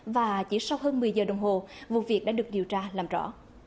và chỉ sau hơn một mươi giờ đồng hồ vụ việc đã được điều tra làm rõ